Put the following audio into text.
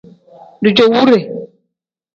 Dijoovure.